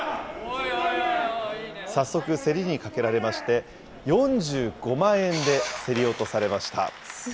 早速、競りにかけられまして、４５万円で競り落とされました。